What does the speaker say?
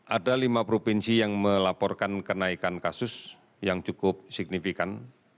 ada lima provinsi yang melaporkan kenaikan kasus yang cukup signifikan